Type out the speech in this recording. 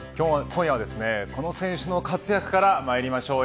今夜はですね、この選手の活躍から、まいりましょう。